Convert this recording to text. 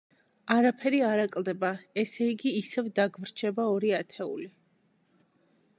არაფერი არ აკლდება, ესე იგი, ისევ დაგვრჩება ორი ათეული.